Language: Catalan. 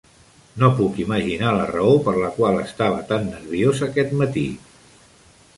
No puc imaginar la raó per la qual estava tan nerviós aquest matí.